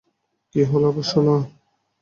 কি হল আবার সোনা?